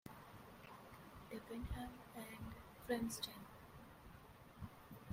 Debenham and Framsden.